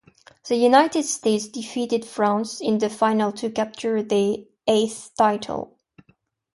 The United States defeated France in the final to capture their eighth title.